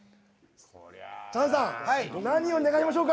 チャンさん、何を願いましょうか。